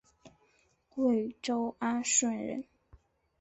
贵州安顺人。